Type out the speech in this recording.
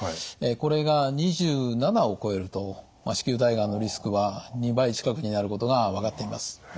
これが２７を超えると子宮体がんのリスクは２倍近くになることが分かっています。